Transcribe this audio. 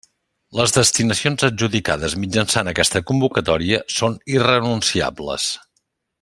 Les destinacions adjudicades mitjançant aquesta convocatòria són irrenunciables.